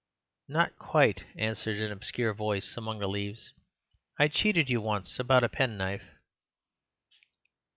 "Not quite," answered an obscure voice among the leaves. "I cheated you once about a penknife."